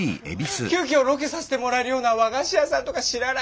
急きょロケさせてもらえるような和菓子屋さんとか知らないですか？